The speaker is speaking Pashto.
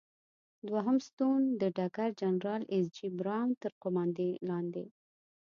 دوهم ستون د ډګر جنرال ایس جې براون تر قوماندې لاندې.